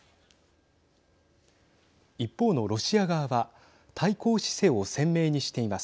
一方のロシア側は対抗姿勢を鮮明にしています。